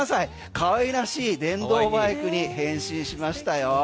かわいらしい電動マイクに変身しましたよ。